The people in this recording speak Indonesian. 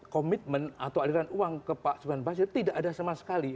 komitmen atau aliran uang ke pak sudan basir tidak ada sama sekali